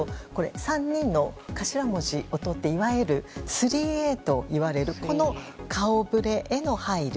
３人の頭文字をとっていわゆる３Ａといわれるこの顔ぶれへの配慮